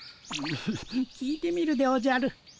聞いてみるでおじゃる。